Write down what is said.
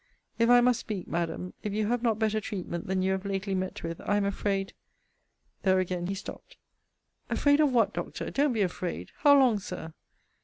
If I must speak, Madam, if you have not better treatment than you have lately met with, I am afraid There again he stopt. Afraid of what, Doctor? don't be afraid How long, Sir?